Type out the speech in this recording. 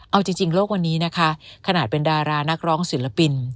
เอาจริงโลกวันนี้นะคะขนาดเป็นดารานักร้องศิลปิน